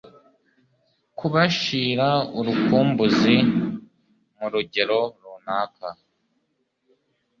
kubashira urukumbuzi mu rugero runaka